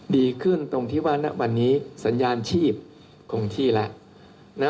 ดีขึ้นตรงที่ว่าณวันนี้สัญญาณชีพคงที่แล้ว